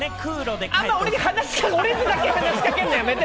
俺にだけ話しかけるのやめて！